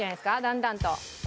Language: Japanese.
だんだんと。